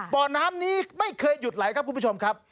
บ่อน้ำนี้ไม่เคยหยุดไหลครับคุณผู้ชมครับ